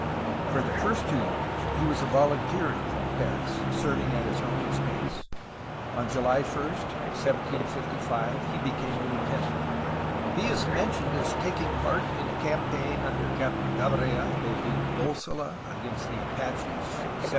For the first two years he was a volunteer at Fronteras, serving at his own expense. On July 1, 1755, he became a Ueu tenant. He is mentioned as taking part in a campaign under Captain Gabriel de Vild6sola against the Apaches in 1758.